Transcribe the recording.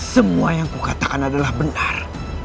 semua yang kukatakan adalah benar